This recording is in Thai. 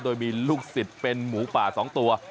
โดยมีลูกศิษย์เป็นหมูป่า๒ตัว